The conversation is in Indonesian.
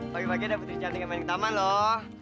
pagi pagi udah putri cantiknya main ke taman loh